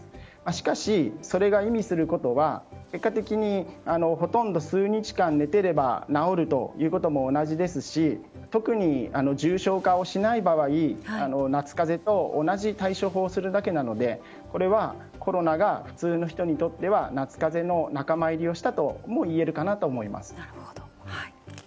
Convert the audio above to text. しかし、それが意味することは結果的にほとんど数日間寝ていれば治るということも同じですし特に重症化をしない場合夏風邪と同じ対処法をするだけなのでこれはコロナが普通の人にとっては夏風邪の仲間入りをしたともいえるかなと思います。